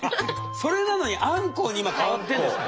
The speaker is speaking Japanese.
それなのにあんこうに今かわってるんですか？